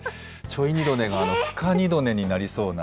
ちょい二度寝が深二度寝になりそうな。